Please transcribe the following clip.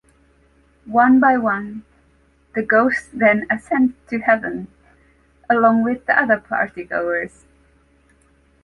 One by one, the ghosts then ascend to Heaven, along with the other partygoers.